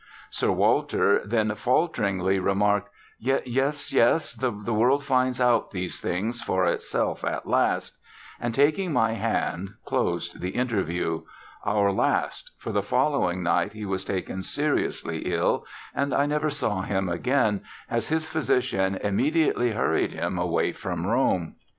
Sir Walter then falteringly remarked, "Yes, yes, the world finds out these things for itself at last," and taking my hand, closed the interview, our last, for the following night he was taken seriously ill, and I never saw him again, as his physician immediately hurried him away from Rome.